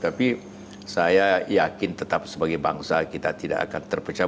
tapi saya yakin tetap sebagai bangsa kita tidak akan terpecah